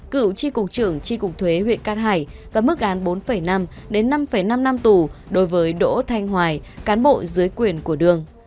cựu tri cục trưởng tri cục thuế huyện cát hải và mức án bốn năm đến năm năm tù đối với đỗ thanh hoài cán bộ dưới quyền của đương